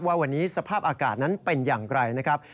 ว่าวันนี้สภาพอากาศนั้นเป็นอย่างไรนะครับ